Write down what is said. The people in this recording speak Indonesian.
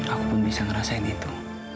aku pun bisa ngerasain itu